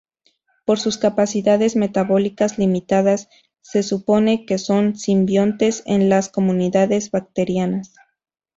Por sus capacidades metabólicas limitadas se supone que son simbiontes en las comunidades bacterianas.